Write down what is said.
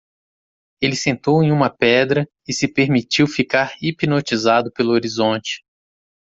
Ele sentou em uma pedra? e se permitiu ficar hipnotizado pelo horizonte.